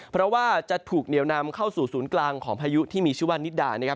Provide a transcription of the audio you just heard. เพราะว่าจะถูกเหนียวนำเข้าสู่ศูนย์กลางของพายุที่มีชื่อว่านิดานะครับ